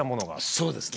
そうですね。